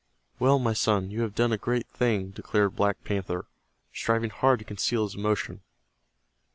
"Well, my son, you have done a great thing," declared Black Panther, striving hard to conceal his emotion.